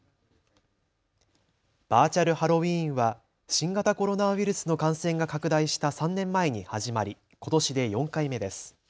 バーチャルハロウィーンは新型コロナウイルスの感染が拡大した３年前に始まりことしで４回目です。